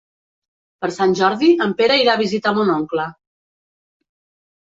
Per Sant Jordi en Pere irà a visitar mon oncle.